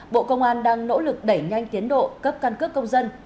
bộ công an đang nỗ lực đẩy nhanh tiến độ cấp căn cước công dân